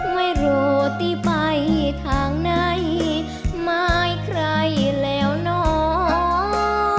ไม่รู้ที่ไปทางไหนไม่มีใครแล้วโนรา